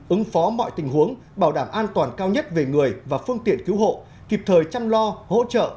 ứng phó mọi tình huống bảo đảm an toàn cao nhất về người và phương tiện cứu hộ kịp thời chăm lo hỗ trợ